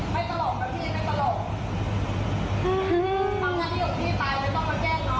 มันตามอ่ะ